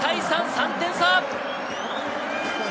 ３点差。